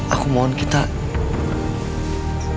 aku mohon kita berjalan ke rumah